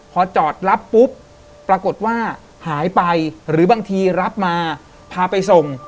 พอจอดรับปุ๊บปรากฏว่าหายไปหรือบางทีรับมาพาไปส่ง